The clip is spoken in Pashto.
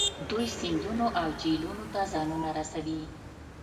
دوی سیندونو او جهیلونو ته ځانونه رسوي